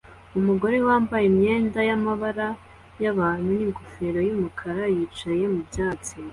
Umugore wambaye imyenda yamabara yabantu ningofero yumukara yicaye mubyatsi